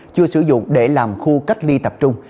chưa sử dụng để làm khu cách ly tập trung